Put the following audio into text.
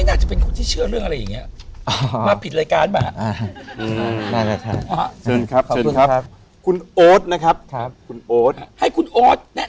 มูเตรุไม่เข้าใครออกไฟ